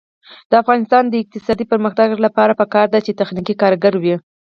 د افغانستان د اقتصادي پرمختګ لپاره پکار ده چې تخنیکي کارګر وي.